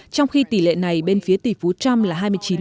trong khi tỷ lệ này bên phía tỷ phú trump là hai mươi chín